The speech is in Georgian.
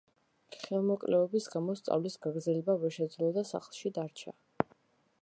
ხელმოკლეობის გამო სწავლის გაგრძელება ვერ შეძლო და სახლში დარჩა.